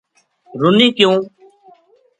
رُنی کیوں